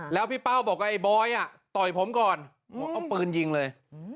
แล้วพี่เป้าบอกว่าไอ้บอยต่อยผมก่อนผมเอาปืนยิงเลย